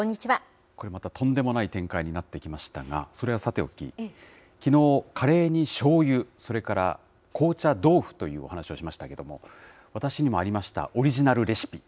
これまた、とんでもない展開になってきましたが、それはさておき、きのう、カレーにしょうゆ、それから紅茶豆腐というお話をしましたけれども、私にもありました、オリジナルレシピ。